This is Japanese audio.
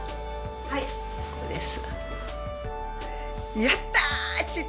はいこうです。